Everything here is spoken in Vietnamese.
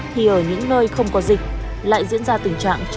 thì ở những nơi không có dịch lại diễn ra tình trạng chênh chúc mua hàng để giữ chữ